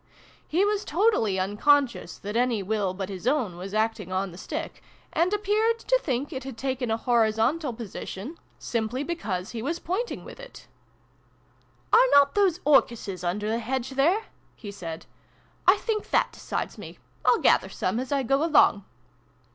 He was totally unconscious that any will but his own was acting on the stick, and appeared to think it had taken a horizontal position simply because he was pointing with E 50 SYLVIE AND BRUNO CONCLUDED. it. "Are not those orchises under the hedge there ?" he said. " I think that decides me. I'll gather some as I go along."